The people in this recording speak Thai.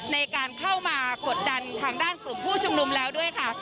ในการเข้ามากดดันทางด้านกลุ่มผู้ชุมนุมแล้วด้วยค่ะ